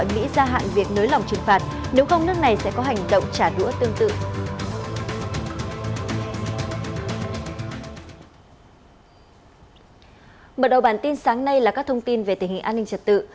mở đầu bản tin sáng nay là các thông tin về tình hình an ninh trật tự